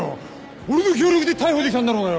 俺の協力で逮捕できたんだろうがよ！